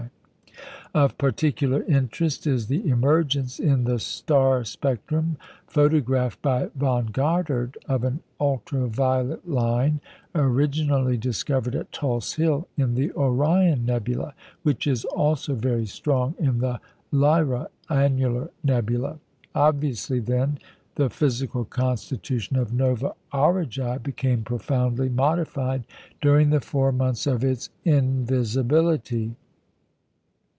Of particular interest is the emergence in the star spectrum photographed by Von Gothard of an ultra violet line originally discovered at Tulse Hill in the Orion nebula, which is also very strong in the Lyra annular nebula. Obviously, then, the physical constitution of Nova Aurigæ became profoundly modified during the four months of its invisibility.